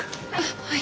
はい。